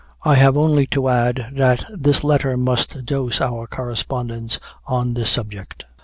"I have only to add, that this Letter must dose our Correspondence on this subject.